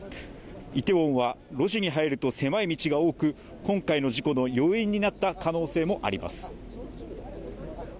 イテウォンは路地に入ると狭い道が多く今回の事故の要因になった可能性もあります。